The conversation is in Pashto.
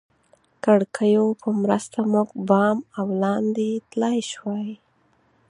کړکیو په مرسته موږ بام او لاندې تلای شوای.